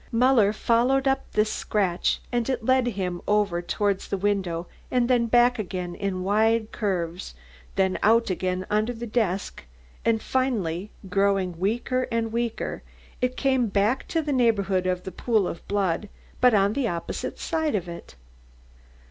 Muller followed up this scratch and it led him over towards the window and then back again in wide curves, then out again under the desk and finally, growing weaker and weaker, it came back to the neighbourhood of the pool of blood, but on the opposite side of it.